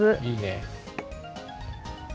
いいね。